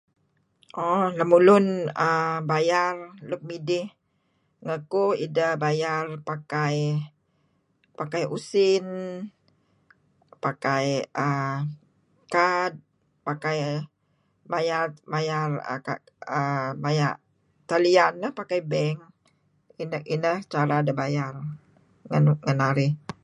[O..] Lamulun[aah]bayar luk midih ngakuh, idah bayar pakai, pakai usin... pakai[aah]kad, pakai mayar, mayar aah mayah talian nah pakai bank. um inah cara dah bayar ngan kanarih.